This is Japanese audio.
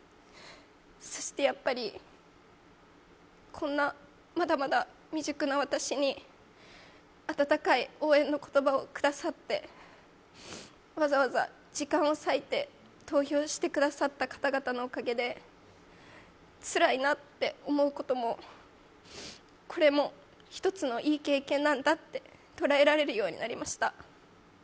そしてやっぱりこんなまだまだ未熟な私に温かい応援の言葉をくださって、わざわざ時間を割いて投票してくださった方々のおかげでつらいなって思うこともこれも一つのいい経験なんだってとらえられるようになりました。